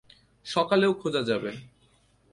সকালেও খোঁজা যাবে।